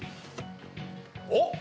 おっ！